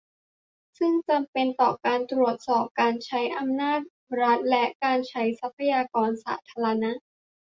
ซึ่งจำเป็นต่อการตรวจสอบการใช้อำนาจรัฐและการใช้ทรัพยากรสาธารณะ